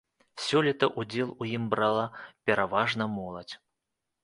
Сёлета ўдзел у ім брала пераважна моладзь.